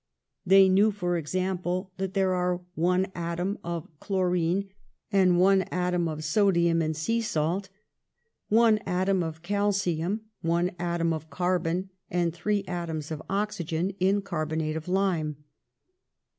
They knew, for example, that there are one atom of chlorine and one atom of sodium in sea salt, one atom of calcium, one atom of carbon and three atoms of oxygen in carbonate of lime.